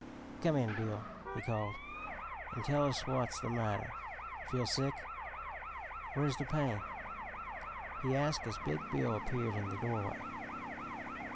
"Come in, Bill," he called, "an' tell us what's the matter. Feel sick? Where's the pain?" he asked as big Bill appeared in the doorway.